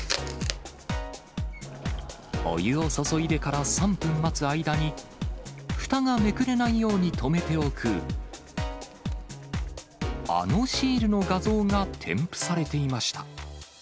お湯を注いでから３分待つ間に、フタがめくれないように止めておく、あのシールの画像が添付されていました。